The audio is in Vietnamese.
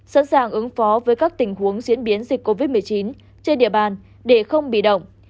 sẵn sàng ứng phó với các tình huống diễn biến dịch covid một mươi chín trên địa bàn để không bị động